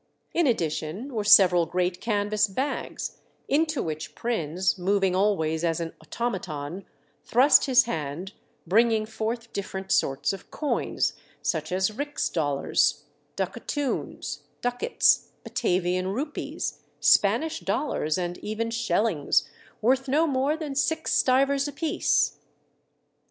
In addition were several great canvas bags, into which Prins, moving always as an automaton, thrust his hand, bringing forth different sorts of coins, such as rix dollars, ducatoons, ducats, Batavian rupees, Spanish dollars, and even schellings, worth no more than six stivers apiece.